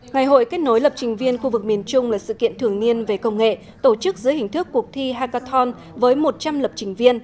ngày hội kết nối lập trình viên khu vực miền trung là sự kiện thường niên về công nghệ tổ chức dưới hình thức cuộc thi hakaton với một trăm linh lập trình viên